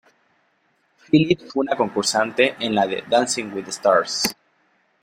Phillips fue una concursante en la de "Dancing with the Stars".